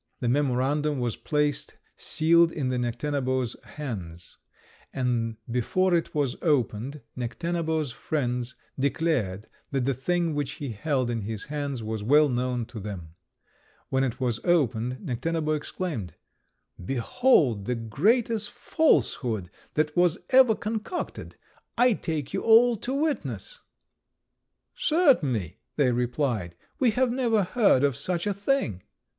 The memorandum was placed sealed in Necténabo's hands; and before it was opened Necténabo's friends declared that the thing which he held in his hands was well known to them. When it was opened, Necténabo exclaimed, "Behold the greatest falsehood that was ever concocted! I take you all to witness!" "Certainly," they replied; "we have never heard of such a thing."